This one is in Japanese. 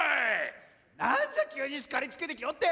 なんじゃ急に叱りつけてきおって！